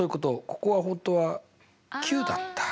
ここは本当は９だった。